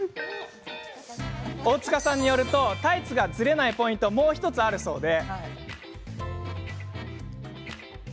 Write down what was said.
大塚さんによるとタイツがズレないポイントがもう１つあるそうで。